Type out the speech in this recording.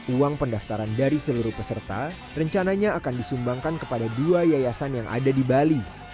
uang pendaftaran dari seluruh peserta rencananya akan disumbangkan kepada dua yayasan yang ada di bali